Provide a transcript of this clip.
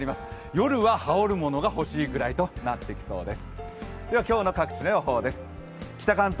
夜は羽織るものがほしいという気温になっていきそうです。